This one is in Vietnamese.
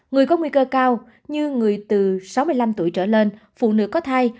người có nguy cơ cao như người từ sáu mươi năm tuổi trở lên phụ nữ có thai